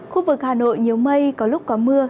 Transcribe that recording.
khu vực hà nội nhiều mây có lúc có mưa